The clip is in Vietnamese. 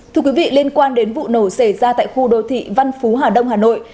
thưa quý vị liên quan đến vụ nổ xảy ra tại khu đô thị văn phú hà đông hà nội